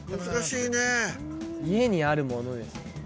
家にあるものですもんね。